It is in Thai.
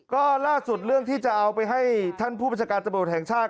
ก็ล่าสุดเรื่องที่จะเอาไปให้ท่านผู้บัญชาการตำรวจแห่งชาติ